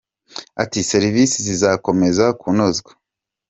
Ati serivisi zizakomeza kunozwa.